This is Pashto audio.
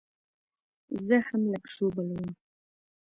زه هم لږ ژوبل وم